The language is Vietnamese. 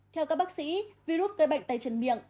theo các bác sĩ virus gây bệnh tay chân miệng